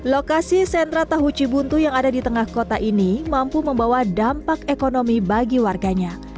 lokasi sentra tahu cibuntu yang ada di tengah kota ini mampu membawa dampak ekonomi bagi warganya